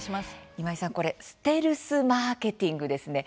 今井さんこれステルスマーケティングですね。